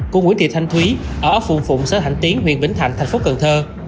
của nguyễn thị thanh thúy ở phùng phụng xã thạnh tiến huyện vĩnh thạnh thành phố cần thơ